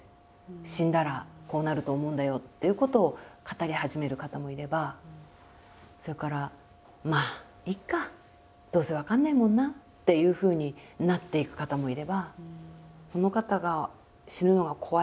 「死んだらこうなると思うんだよ」っていうことを語り始める方もいればそれから「まあいっか。どうせ分かんないもんな」っていうふうになっていく方もいれば。